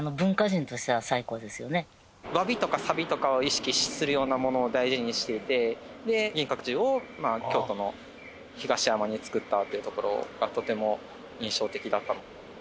わびとかさびとかを意識するようなものを大事にしていて銀閣寺を京都の東山に造ったっていうところがとても印象的だった。